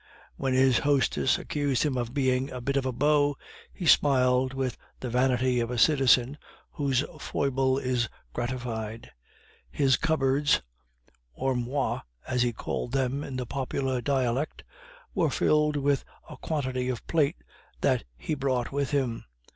When his hostess accused him of being "a bit of a beau," he smiled with the vanity of a citizen whose foible is gratified. His cupboards (ormoires, as he called them in the popular dialect) were filled with a quantity of plate that he brought with him.